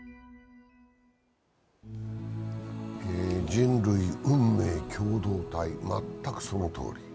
人類運命共同体、全くそのとおり。